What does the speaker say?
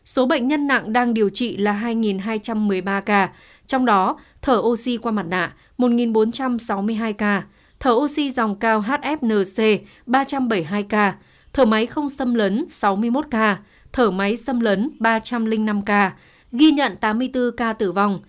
số bệnh nhân nặng đang điều trị là hai hai trăm một mươi ba ca trong đó thở oxy qua mặt nạ một bốn trăm sáu mươi hai ca thở oxy dòng cao hfnc ba trăm bảy mươi hai ca thở máy không xâm lấn sáu mươi một ca thở máy xâm lấn ba trăm linh năm ca ghi nhận tám mươi bốn ca tử vong